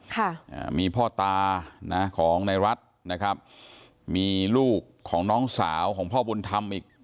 อ่ามีพ่อตานะของในรัฐนะครับมีลูกของน้องสาวของพ่อบุญธรรมอีก